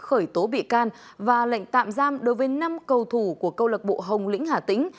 khởi tố bị can và lệnh tạm giam đối với năm cầu thủ của câu lạc bộ hồng lĩnh hà tĩnh